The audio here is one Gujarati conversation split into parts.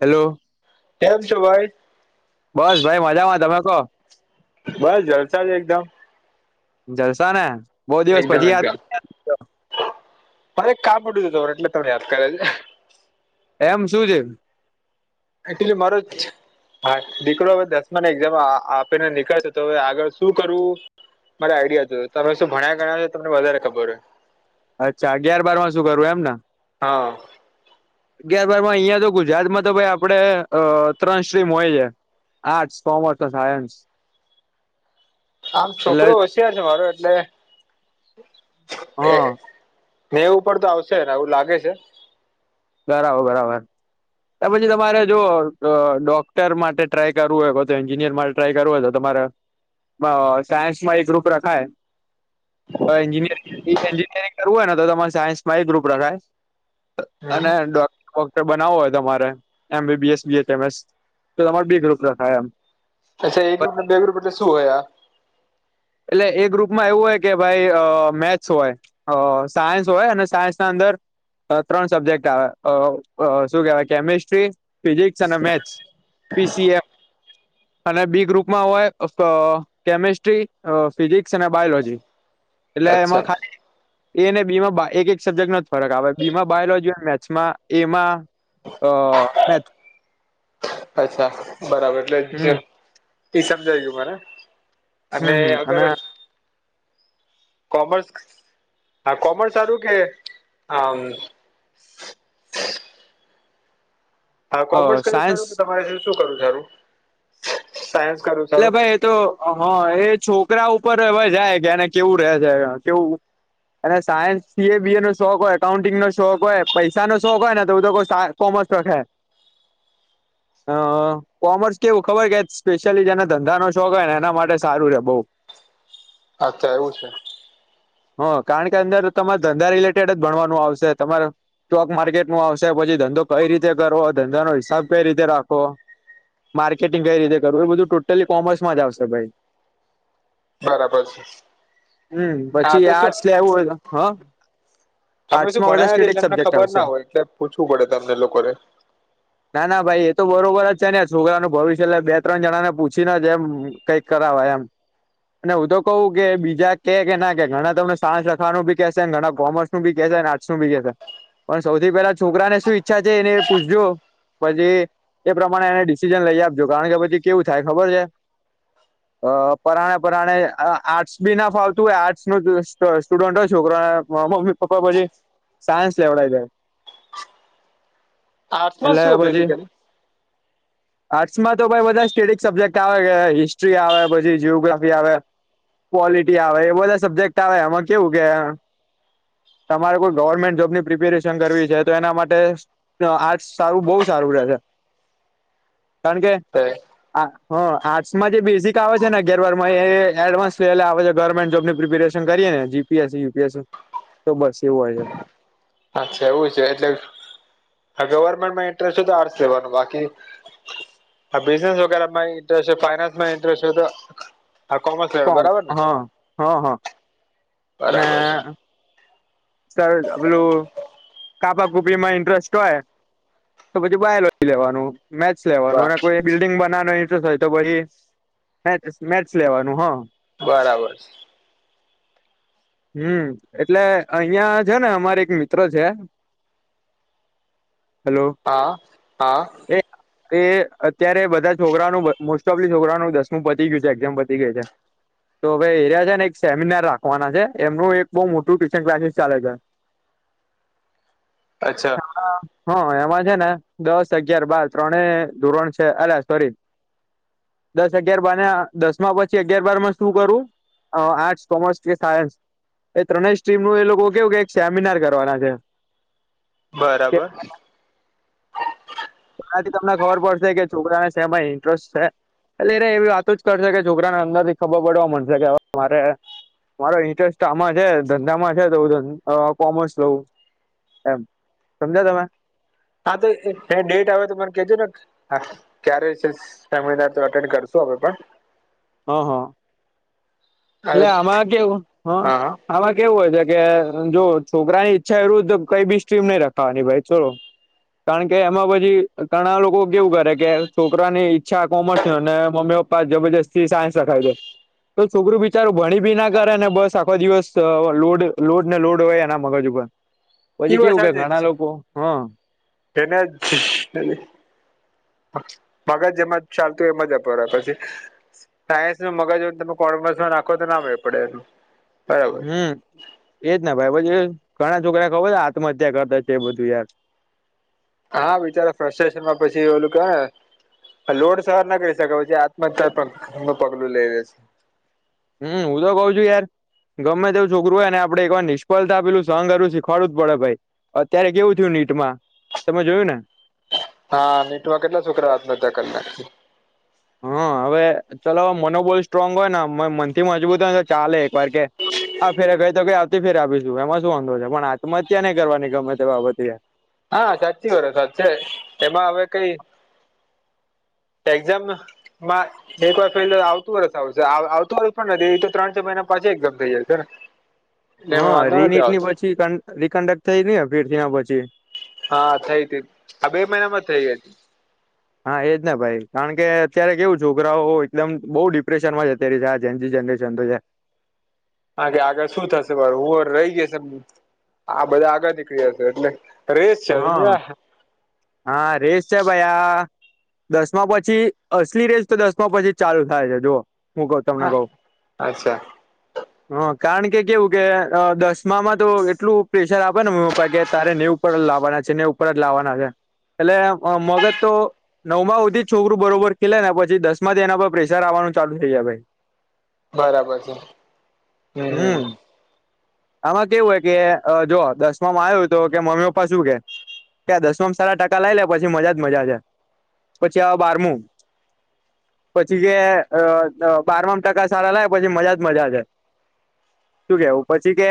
હેલો.. કેમ છો ભાઈ? બસ ભાઈ મજામાં તમે કહો બસ જલસા છે જ એકદમ. જલસા ને બહુ દિવસ એકદમ પછી યાદ એકદમ મારે એક કામ પડ્યું હતું એટલે તમને યાદ કર્યા એમ, શું છે. એક્યુલી મારો એક હા દીકરો હવે દસમાની એક્ઝામ આપીને નીકળશે તો હવે આગળ શું કરવું મારો આઈડિયા હતો તમે શું ભણ્યા ગણ્યા તો તમને વધારે ખબર હોય અચ્છા અગિયાર બાર માં શું કરવું એમ ને? હા... અગયાર બારમાં અહિયાં તો ગુજરાતમાં તો ભાઈ આપણે ત્રણ [inaudible] હોય છે. આર્ટસ, કોમર્સ અને સાયન્સ [unintelligible] આમ એટલે છોકરો હોશીયાર છે મારો એટલે એ હા નેવુ ઉપર તો આવશે એને એવું લાગે છે. બરાબર બરાબર તો પછી તમારે જો ડોક્ટર માટે ટ્રાય કરવું હોય બધું તો એન્જિનિયરિંગ માટે ટે ટ્રાય કરવું હોય તો તમારે સાયન્સમાં એ ગ્રુપ રખાય. એન્જિનિયરિંગ કરવું હોય ને તો તમારે સાયન્સમાં એ ગ્રુપ રખાય. હમ અને ડોક ડોકટર બનાવવો હોય તમારે એમ. બી. બી. એસ બી એમ સ તો તેમા બી ગ્રુપ રખાય એમ. અચ્છા એ ગ્રુપ ને બી ગ્રુપ એટલે શું હોય આ એટલે એ ગ્રુપમાં એવું હોય કે ભાઈ મેથ્સ હોય. અ સાયન્સ હોય અને સાયન્સના અંદર અ ત્રણ સબ્જેક્ટ આવે અ અ શું કહેવાય કેમિસ્ટ્રી, ફિઝિક્સ અને મેથ્સ. પી. સી. એફ અને બી ગ્રુપમાં હોય અ કેમિસ્ટ્રી અ ફિઝિક્સ અને બાયોલોજી એટલે એમાં અચ્છા ખાલી એ અને બી માં એક એક સબ્જેક્ટનો જ ફરક આવે બીમાં બાયોલોજી અને મેથ્સમાં એમાં અ મેથ્સ અચ્છા બરાબર એટલે હમ ઈ સમજાય ગયું મને અને હમ હમ અગર અને કોમર્સ આ કોમર્સ સારુ કે અમ આ અ કોમર્સ કરવું સાયન્સ સારું કે તમારે શું કરવું સારું સાયન્સ કરવું એટલે સારું ભાઈ એ તો હમ એ છોકરા ઉપર હવે જાય કે એને કેવું રહે છે કેવું. અને science, C. A., B. A. નો શોખ હોય એકાઉન્ટિંગનો શોખ હોય પૈસાનો શોખ હોય ને તો હું તો કોવ સાય કૉમર્સ રખાય. [inaudible] અ કોમર્સ કેવું ખબર છે સ્પે યલી જેને ધંધાનો શોખ હોય ને એના માટે સારું રેય બવ. અચ્છા એવું છે. હ કારણ કે અંદર તમારે ધંધા રિલેટેડ જ ભણવાનું આવશે તમારે સ્ટોક માર્કેટનું આવશે પછી ધંધો કઈ રીતે કરવો, ધંધાનો હિસાબ કઈ રીતે રાખવો. માર્કેટિંગ કઈ રીતે કરવું એ બધું ટોટલી કોમર્સમાં જ આવશે ભાઈ. બરાબર છે હમ્મ હા પછી તો શું આર્ટસ લેવું હોય તો હ. અમે શું આર્ટસમાં બધા ભણયા નથી સ્ટેટિક એટલે એમને સબ્જેક્ટ ખબર આવશે ના હોય એટલે પૂછવું પડે તમને લોકોને. ના ના ભાઈ એ તો બરોબર જ છે ને છોકરાનું ભવિષ્ય બે. ત્રણ જણાને પૂછીને એમ કંઈક કરાવાય એમ. અને હું તો કહું કે બીજા કે ના કે ઘણા તમને સાયન્સ રખવાનું બી કેશે ઘણા કોમર્સ. બી કેશે ને આર્ટસનું બી કેશે પણ સૌથી પેલા છોકરાને શું ઈચ્છા છે એને એ પૂછ જો. પછી એ પ્રમાણે એને ડિસિસન લઈ આપજો કારણ કે પછી કેવું થાય ખબર છે. [inaudible] અ પરાયે, પરાણે આર્ટસ બી ના ફાવતું હોય આર્ટસનું જ સ્ટુડન્ટ હોય છોકરાને મમ્મી. પપ્પા પછી સાયન્સ લેવડાવી દેય. [inaudible] એટલે શું હોય પછી બેઝિકલી આર્ટસમાં તો ભાઈ બધા. કેટલીક સબ્જેક્ટ આવે છે. હિસ્ટ્રી આવે, પછી જીઓગ્રાફી આવે. પોલિટી આવે એ બધા સબ્જેક્ટ આવે આમાં કેવું કે. તમારે કોઈ ગવર્મેન્ટ જોબની પ્રિપેરેશન કરવી છે તો એના માટે. તો આર્ટસ સારું બહુ સારું લાગે કારણ કે. આ હ આર્ટસમાં જે બેઝિક આવે છે ને અગિયાર. બારમામાં એ એડવાન્સ લેવલે આવે છે ગવર્મેન્ટ જોબની પ્રિપેરેશન. કરીએ ને જીપીએસ. યુપીએસી તો બસ એવું હોય છે. અચ્છા એવું છે એટલે ગવર્મેન્ટમાં ઇન્ટરેસ્ટ હો તો આર્ટસ લેવાનું બાકી. હા. બિઝનેસ વગેરે માં ઇન્ટરેસ્ટ છે. ફાઈનાન્સ માં ઇન્ટરેસ્ટ તો, હા કોમર્સ લેવાનું કોમ બરાબર ને. હા હા હા અને બરાબર છે સર પેલું. કાપાકુપીમાં ઇન્ટરેસ્ટ હોય તો પછી બાયોલોજી લેવાનું મેથસ લેવાનું અને બ કોઈ. બિલ્ડિંગ બનાવવાનો ઇન્ટરેસ્ટ હોય. તો પછી મેથ મેથ્સ લેવાનું હ. બરાબર છે. હમ એટલે. અહિયાં છે ને, અમારે એક મિત્ર છે હેલો. એ [unintelligible] એ અત્યારે બધા છોકરાનું મોસ્ટ ઓફ લી છોકરાનું દસમું પતી ગયું છે એક્ઝામ પતી ગઈ છે. તો હવે એરિયા છે ને એક સેમિનાર રાખવાના છે એમનું એક બહુ મોટું ક્લાસસી ચાલે છે. અચ્છા હા. હ એમાં છે ને દસ અગિયાર બાર ત્રણે ધોરણ છે અલ્યા સોરી. દસ અગિયાર બાર ના દસ માં પછી અગિયાર બારમાં શું કરું? આર્ટસ, કોમર્સ, કે સાયન્સ, એ ત્રણેય સ્ટ્રીમ નું એ લોકો કેવું કે એક સેમિનાર કરવાના છે. કે બરાબર. એનાથી તમને ખબર પડશે કે છોકરાને સેમા ઇન્ટરેસ્ટ છે. એટલેરે એવી વાતો જ કરશે કે છોકરાને અંદર થી ખબર પડવા મળશે કે હવે મારે. મારો ઇન્ટરેસ્ટ આમાં છે ધંધામાં છે તો કોમર્સ લઉ. એમ સમજ્યા તમે. હા તો એ ડેટ આવે તો મને કેજો ને. હા ક્યારે સેમિનાર તો એટેન્ડ કરશું અમે પણ. હ. હ. એટલે હા આમાં કેવું હ. હા આમાં કેવું હોય છે કે જો છોકરાની ઈચ્છા વિરોધ કઈ બી સ્ટ્રીમ નહી રખાવાની ભાઈ ચલો. કારણ કે એમાં પછી ઘણા લોકો કેવું કરે કે છોકરાની. અચ્છા કોમર્સ અને મમ્મી પપ્પા જબરજસ્તી સાયન્સ રખાવી દે તો છોકરું બી બિચારું ભણી ભી ના કરે ને બસ આખો દિવસ લોડ લોડ ને લોડ હોય એના મગજ ઉપર ઈ પછી કેવું કે ઘણા લોકો હા એને મગજ જેમાં ચાલતું એમ જતો રે પછી સાયન્સનું મગજ હોય તમે કોર્મર્સમાં નાખો તો ના મેળ પડે એનું બરાબર હમ એજ ને ભાઈ પછી ઘણા છોકરાને ખબર છે આત્મહત્યા કરતા છે એ બધું યાર હા બિચાર ફ્રસ્ટેશન માં પછી ઓલું કરે લોડ સહન ના કરી શકે પછી આત્મહત્યાનું પગ પગલું લઈ લે છે હમ હું તો કહું છું યાર ગમે તેવું છોકરું હોય ને આપણે એક વાર નિષ્ફળતા પેલું સહન કરવું શીખવાડું જ પડે ભાઈ અત્યારે કેવું થયું નીટમાં તમે જોયું ને હા નિટમાં કેટલા છોકરા આત્મહત્યા કરતા હા હવે ચલો મનોબળ સ્ટ્રોંગ હોય ને મનથી મજબૂત હોય તો ચાલે એક વાર કે આ ફેરે કઈ તો કઈ આવતી ફેર એમાં શું છે પણ આત્મહત્યા નહી કરવાની ગમે તે બાબતે હા સાચી વાત સાચ છે એમાં હવે કઈ એક્ઝામ નત મા એક વાર ફેલ આવતું વરસ આવશે આવતું હોય પણ નથી એ તો ત્રણ ચાર મહિના પાછી એક્ઝામ થઈ જાય છે ને એટલે એમાં હા વાંધો રી નથી નીટ ની આવતો પછી કન્ત રીકન્ડક્ટને થઈ અપડેટ થયા પછી હા થઈ હતી આ બે મહિનામાં જ થઈ હતી હા એ જ ને ભાઈ કારણ કે અત્યારે કેવું છોકરાઓ એકદમ બહુ ડિપ્રેશનમાં છે અત્યારે આ ઝેન જી જનરેશન તો છે. આ કે આગળ શું થશે મારુ હું રહી જઈશે આ બધા આગળ નીકળી જશે એટલે રેસ હા છે આ રેશ છે ભાઈ આ દસમા પછી અસલી રેસ તો દસમા પછી જ ચાલુ થાય છે જુઓ હું કહું તમને કહું [inaudible] હ કારણ કે કેવું કે અ દસમામાં તો એટલું પ્રેશર આપેને મમ્મી પપ્પા કે તારે નેવું ઉપર લાવવાના છે નેવું ઉપર જ લાવવાના છે એટલે અ મગજ તો નવમાં હુધીજ છોકરું બરોબર ખેલેને પછી દસમાંથી એના પર પ્રેશર આવવાનું ચાલુ થઈ જાય ભાઈ બરાબર છે હમ ને આમાં કેવું હોય કે અ જો દસમામાં આયો હોય તો કે મમ્મી પપ્પ પપ્પા શું કે કે દસમાં સારા ટાકા લાઈ લે પછી મજા જ મજા છે પછી આવે બારમું પછી જે અ અ બારમાં ટકા સારા લાય પછી મજા જ મજા છે. શું કેવું પછી કે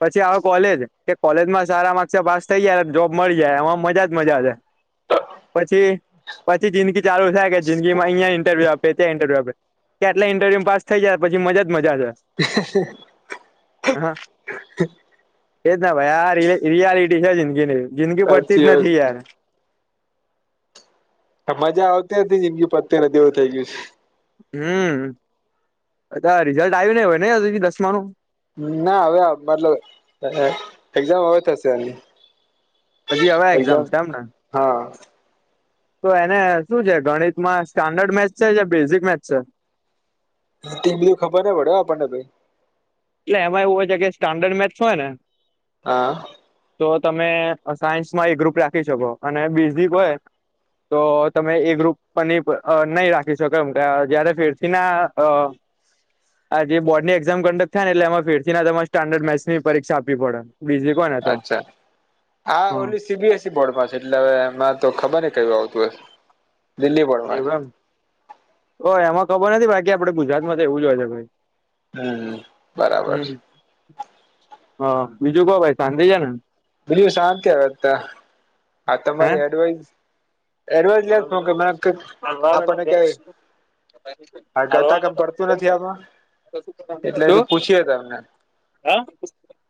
પછી આવે કોલેજ કે કોલેજમાં સારા માર્ક ક્સે પાસ થઈ જ જોબ મળી જાય એમાં મજા જ મજા છે પછી પછી જિંદગી ચાલુ થાય કે જિંદગીમાં અહિયાં ઇન્ટરવ્યૂ આપે ત્યાં ઇન્ટરવ્યુ આપે ત્યાં એટલે ઇન્ટરવ્યુ પાસ થઈ જાય પછી મજા જ મજા છે. અહ એ જ ન ભાઈ આ રિય રિયાલિટી છે જિંદગીની જિંદગી પતતી સાચી જ નથી વાત યાર આ મજા આવતી નથી જિંદગી પતતી નથી એવું થઇ ગયું છે. હમ અ તાર રીઝલ્ટ આયુ નહી હોય હજી તક દસમાનું? ના હવે અ મતલબ અ એક્ઝામ હવે થશે એની. હજી, હવે એક્ઝામ છે એમને? હા તો એને શું છે ગણિતમાં સ્ટાન્ડર્ડ મેથ્સ છે કે બેઝિક મેથ્સ છે? એટલું ખબર ને પડે હો આપણને ભાઈ એટલે એમાં એવું હોય છે કે સ્ટાન્ડર્ડ મેથ્સ હોય ને હા તો તમે સાયન્સમાં એ ગ્રુપ રાખી શકો અને બેઝિક હોય તો તમે એ ગ્રુપ પન ની પ અ નહીં રાખી શકો એમ અહ જયારે તીર્થકના અહ [inaudible] આ જે બોર્ડની એક્ઝામ કન્ડક્ટ થાય ને એટલે એમાં ફેરથીના તમાર સ્ટાન્ડર્ડ મેથ્સની પરીક્ષા આપવી પડ. બીજી કોને? તો અચ્છા, આ હા ઓલી સી બી એસ બોર્ડ પાસે એટલે હવે એમાં તો ખબર નઇ કયું આવતું હશે દિલ્હી બોર્ડમાં એવું એમ ઓ એમાં ખબર નથી બાકી આપડે ગુજરાતમાં તો એવું જ હોય છે ભાઈ. હમ્મ, બરાબર છે. હમ હા, બીજું કો ભાઈ શાંતિ છે ને? બીજુ શાંતિ હવે તા આ હે તમારી એડવાઈઝ એડવાઇઝ લે કો શું? [unintelligible] હા? આપણને કાય આ ગતાગમ પડતું નથી આમાં એટલે તો પૂછીયે તમને? હા,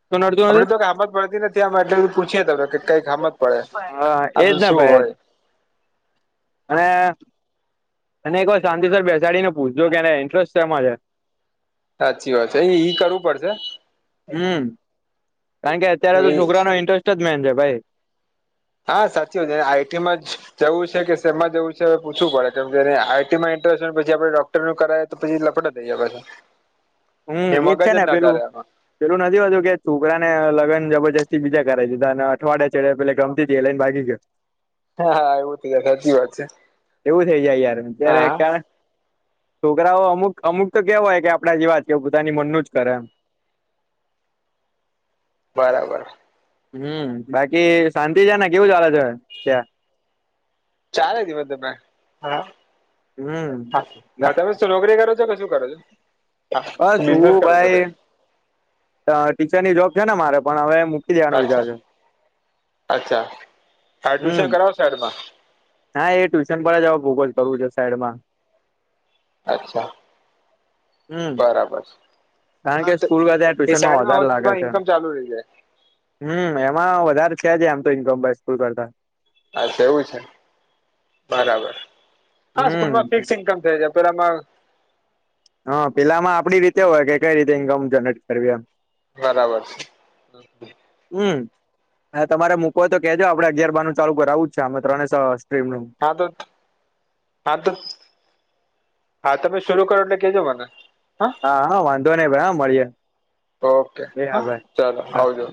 શું નડતું નથી? હામજ પડતી નથી આમા એટલે તો પૂછીએ તમને કઈક હમજ પડે હા આ એજ બધું ને શું ભાઈ હોય? અને એને એક વાર શાંતિસર બેસાડીને પૂછજો કે એને ઇન્ટરેસ્ટ શેમાં છે સાચી વાત છે ઈ ઈ કરવું પડશે હમ કારણ કે, અત્યારે તો છોકરાનો ઇન્ટરેસ્ટ જ મેન છે ભાઈ. હા સાચી વાત છે આઈ ટી માં જ જવું છે કે સેમાં જવું છે હવે પૂછવું પડે કેમકે એને આઈ ટી માં ઇન્ટરેસ્ટ પછી આપણે ડો ઇન્ટરવ્યૂવું કરાય તો પછી લપડા થઈ જાય પાછા હમ્મ, એ ઈજ છે મગજ જ ને ના પેલું ચાલે આમાં પેલું નથી હોતું કે છોકરા ને લગન જબરજસ્તી બીજા કરાઈ દીધા અને અઠવાડિયા ચડે પેલે ગમતી તી એ લઈને ભાગી ગયો. [inaudible] એવું થઈ જાય સાચી વાત છે એવું થઇ જાય યાર હા ત્યારે કા હા છોકરાઓ અમુક અમુક તો કેવા હોય કે આપણા જેવા જ એ પોતાની મનનું જ કરે એમ બરાબર હમ્મ, બાકી શાંતિ છે ને કેવું ચાલે છે? ત્યાં ચાલે છે મતલબમાં હા હમ હા ગા- તમે શું નોકરી કરો છો કે શું કરો છો હા બસ બિઝનેસ કરો છો કે? અહ ટીચરની જોબ છે ને મારે પણ હવે દેવાનો વિચાર અચ્છા છે અચ્છા હ હમ ટ્યુશન કરાવો સાઈડમાં હા એ ટ્યુશન પર જ ઉપજ કરું છે સાઈડમાં અચ્છા હમ બરાબર છે. કારણ હા કે ત સ્કૂલ કરતા એ ટ્યુશનમાં સાઈડમાં વધારે વર્ક પણ ઇન્કમ ચાલુ રહી જાય હમ્મ, એમાં વધારે છે જ એમ તો ઇન્કમ [unintelligible] કરતા અચ્છા એવું છે બરાબર હા સ્કૂલમાં હમ ફિક્સ ઇન્કમ છે જ એમ પર આમાં હા પેલામાં આપડી રીતે હોય કે કઈ રીતે ઈન્કમ જનરેટ કરવી એમ. બરાબર છે. હમ. હા તમારે મૂકવો હોય તો કેજો આપડે અગિયાર બાર નું ચાલુ કરાવવું જ છે આમે ત્રણે સ્ટ્રીમનું. હા તો હા તો હા તમે શરૂ કરો એટલે કેજો મને. હા હા વાંધો નહી ભાઈ હા મળીએ, એ હા ભાઈ. ચાલો હા આવજો.